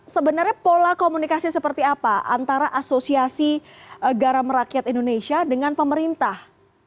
sebenarnya pola komunikasi seperti apa antara asosiasi garam rakyat indonesia dengan pemerintah